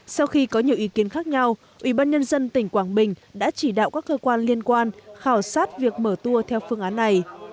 sau khi có nhiều ý kiến khác nhau ubnd tỉnh quảng bình đã chỉ đạo các cơ quan liên quan khảo sát việc mở tour theo phương án này